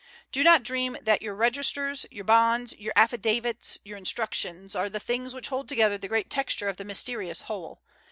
Do not dream that your registers, your bonds, your affidavits, your instructions, are the things which hold together the great texture of the mysterious whole.